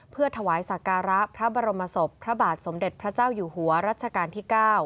เพื่อถวายสักการะพระบรมศพพระบาทสมเด็จพระเจ้าอยู่หัวรัชกาลที่๙